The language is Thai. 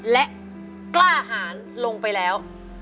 และกล้าหารลงไปแล้ว